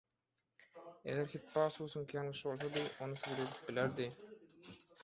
Eger Hippasusyňky ýalňyş bolsady ony subut edip bilerdi.